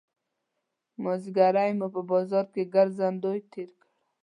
مازیګری مو په بازار کې ګرځېدو تېر کړ.